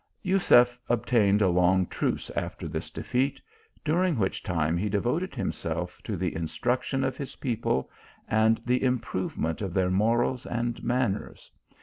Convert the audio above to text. Jusef obtained a long truce after this defeat, dur ing which time he devoted himself to the instruction of his people and the improvement o c their morals and manners.